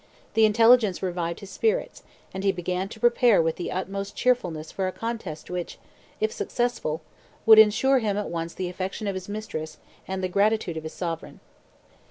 The intelligence revived his spirits, and he began to prepare with the utmost cheerfulness for a contest which, if successful, would insure him at once the affection of his mistress and the gratitude of his sovereign.